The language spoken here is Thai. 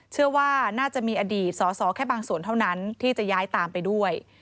เชื่อว่าน่าจะมีอดีตสอสอแค่บางส่วนเท่านั้นที่จะย้ายตามไปด้วย